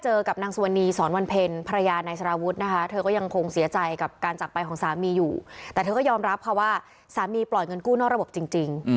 เธอก็ยอมรับคำว่าสามีปล่อยเงินกู้นอกระบบจริง